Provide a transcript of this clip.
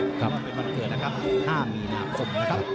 ก็เป็นวันเกิดนะครับ๕มีนาคมนะครับ